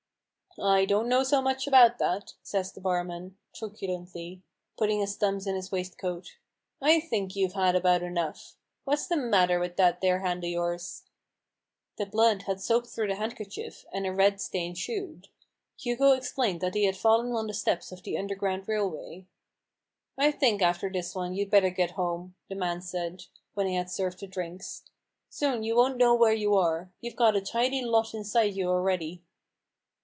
" I don't know so much about that !" says the barman, truculently — putting his thumbs in his waist coat; " I think you've had about enough. What's the matter with that there hand o' yours ?" The blood had soaked through the hand kerchief, and a red stain shewed. Hugo explained that he had fallen on the steps of the Underground R a ilway ." I think after this one you'd better get HUGO RAVEN'S HAND. 169 home," the man said, when he had served the drinks. " Soon you won't know where you are. You've got a tidy lot inside you already."